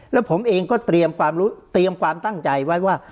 แล้วผมเองก็เตรียมความรู้เตรียมความตั้งใจไว้ว่า